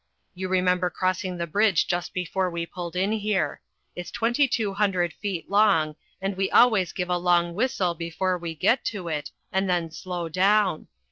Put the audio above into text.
You remember crossing the bridge just before we pulled in here. It's twenty two hundred feet long, and we always give a long whistle before we get to it, and then slow down.